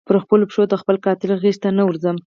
پر خپلو پښو د خپل قاتل غیږي ته نه ورځمه